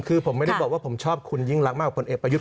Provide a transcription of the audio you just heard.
คือผมไม่ได้บอกว่าผมชอบคุณยิ่งรักมากกว่าผลเอกประยุทธ์